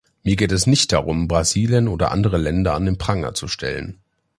Mir geht es nicht darum, Brasilien oder andere Länder an den Pranger zu stellen.